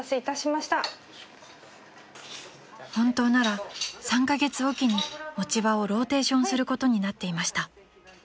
［本当なら３カ月おきに持ち場をローテーションすることになっていました］